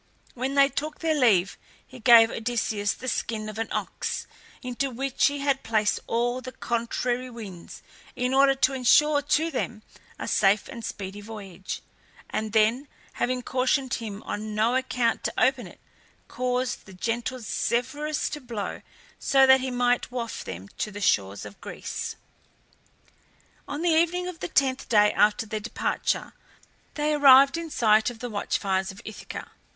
When they took their leave he gave Odysseus the skin of an ox, into which he had placed all the contrary winds in order to insure to them a safe and speedy voyage, and then, having cautioned him on no account to open it, caused the gentle Zephyrus to blow so that he might waft them to the shores of Greece. On the evening of the tenth day after their departure they arrived in sight of the watch fires of Ithaca.